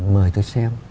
mời tôi xem